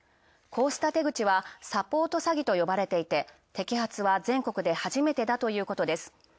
こうした手口はサポート詐欺と呼ばれていて摘発は全国で初めてだということです。